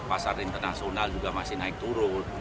pasar internasional juga masih naik turun